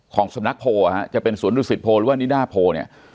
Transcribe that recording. ของสำนักโพลจะเป็นสวนดุสิตโพหรือว่านิดาโพเนี่ย